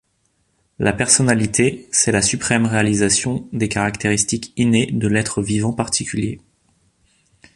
La personnalité, c’est la suprême réalisation des caractéristiques innées de l’être vivant particulier.